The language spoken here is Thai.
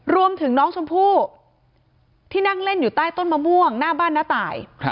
รวมถึงน้องชมพู่ที่นั่งเล่นอยู่ใต้ต้นมะม่วงหน้าบ้านน้าตาย